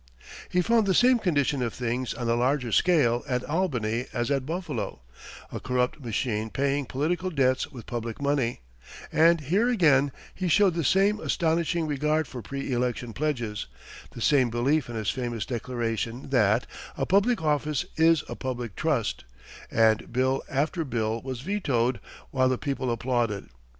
He found the same condition of things on a larger scale at Albany as at Buffalo a corrupt machine paying political debts with public money and here, again, he showed the same astonishing regard for pre election pledges, the same belief in his famous declaration that "a public office is a public trust," and bill after bill was vetoed, while the people applauded.